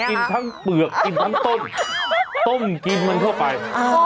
กินทั้งเปลือกกินทั้งต้นต้มกินมันเข้าไป